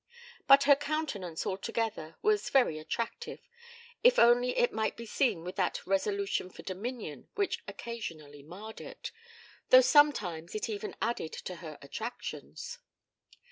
But her countenance altogether was very attractive if only it might be seen without that resolution for dominion which occasionally marred it, though sometimes it even added to her attractions.